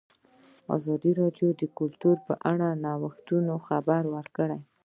ازادي راډیو د کلتور په اړه د نوښتونو خبر ورکړی.